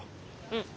うん。